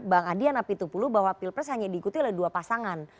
mbak adiana pitupulu bahwa pilpres hanya diikuti oleh dua pasangan